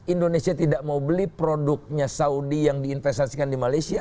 indonesia tidak mau beli produknya saudi yang diinvestasikan di malaysia